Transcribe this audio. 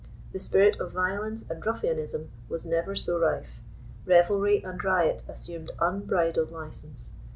The spirit of violence and ruffianism was never so 77 rife. Revelry and riot assumed unbridled license.